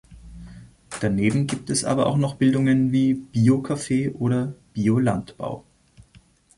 Daneben gibt es aber noch Bildungen wie "Bio-Kaffee" oder "Biolandbau".